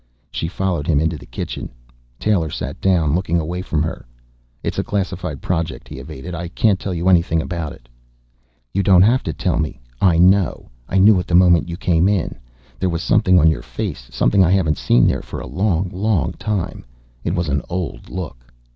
She followed him into the kitchen. Taylor sat down, looking away from her. "It's a classified project," he evaded. "I can't tell you anything about it." "You don't have to tell me. I know. I knew it the moment you came in. There was something on your face, something I haven't seen there for a long, long time. It was an old look."